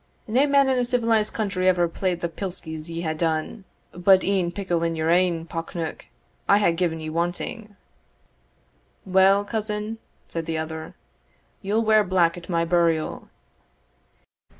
"Nae man in a civilised country ever played the pliskies ye hae done but e'en pickle in your ain pock neuk I hae gi'en ye wanting." "Well, cousin," said the other, "ye'll wear black at my burial."